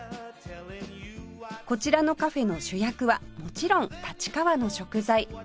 こちらのカフェの主役はもちろん立川の食材